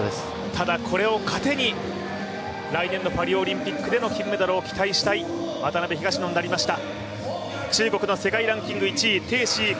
ただこれを糧に来年のパリオリンピックでの金メダルを期待した渡辺・東野になりました。